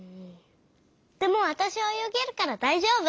でもわたしおよげるからだいじょうぶ！